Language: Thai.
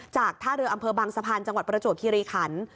ท่าเรืออำเภอบางสะพานจังหวัดประจวบคิริขัน